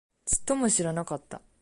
ちっとも知らなかった